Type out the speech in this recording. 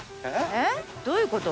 えっ？どういうこと？